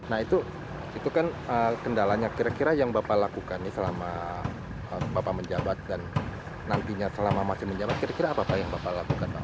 nah itu kan kendalanya kira kira yang bapak lakukan selama bapak menjabat dan nantinya selama masih menjabat kira kira apa pak yang bapak lakukan pak